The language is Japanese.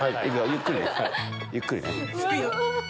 ゆっくりね。